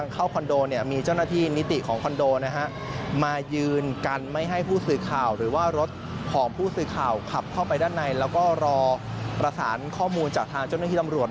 ข้อมูลจากทางเจ้าหน้าที่ตำรวจ